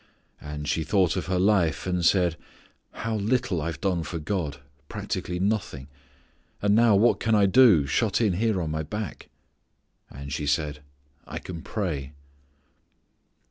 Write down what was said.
And she thought of her life, and said, "How little I've done for God: practically nothing: and now what can I do shut in here on my back." And she said, "I can pray."